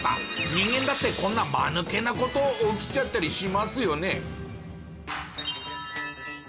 人間だってこんなマヌケな事起きちゃったりしますよね。